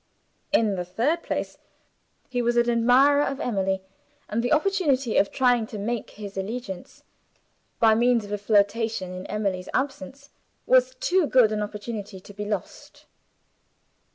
In the third place, he was an admirer of Emily; and the opportunity of trying to shake his allegiance by means of a flirtation, in Emily's absence, was too good an opportunity to be lost.